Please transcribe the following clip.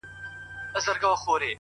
پر چا زیارت او پر چا لوړي منارې جوړي سي٫